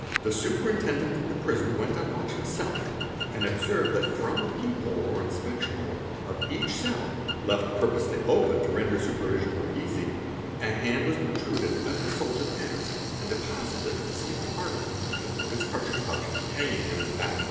The Superintendent of the Prison went on watch himself and observed that from the peephole, or inspection hole, of each cell, left purposely open to render supervision more easy, a hand was protruded as the soldier passed and deposited a small article on the top of his cartridge pouch, hanging on his back.